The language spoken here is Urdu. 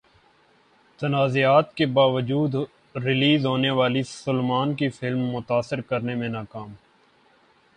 تنازعات کے باوجود ریلیز ہونے والی سلمان کی فلم متاثر کرنے میں ناکام